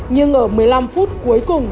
nhưng ở một mươi năm phút cuối cùng